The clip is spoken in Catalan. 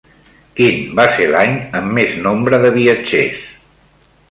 Quin va ser l'any amb més nombre de viatgers?